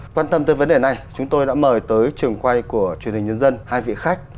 quan tâm tới vấn đề này chúng tôi đã mời tới trường quay của truyền hình nhân dân hai vị khách